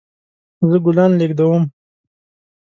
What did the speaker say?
زه ګلان لیږدوم